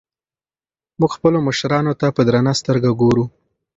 موږ خپلو مشرانو ته په درنه سترګه ګورو.